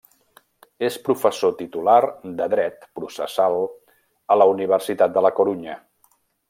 És professor titular de Dret Processal a la Universitat de la Corunya.